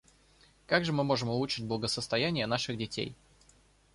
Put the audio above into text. Как же мы можем улучшить благосостояние наших детей?